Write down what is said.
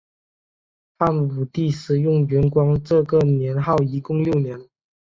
汉武帝使用元光这个年号一共六年。